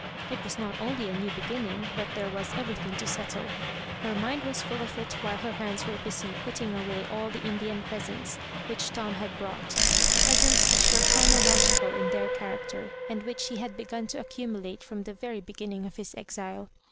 It was not only a new beginning, but there was everything to settle. Her mind was full of it while her hands were busy putting away all the Indian presents which Tom had brought — presents which were chronological in their character, and which he had begun to accumulate from the very beginning of his exile.